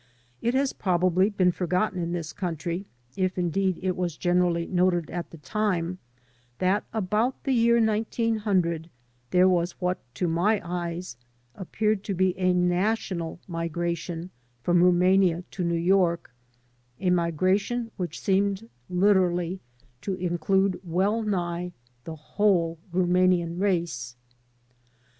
It has probably been forgotten in this coimtry, if indeed it was generally noted at the time, that about the year 1900 there was what, to my eyes, appeared to be a national migration from Rumania to New York, a migration which seemed 5 AN AMERICAN IN THE MAKING literally to include well nigh the whole Rumanian race.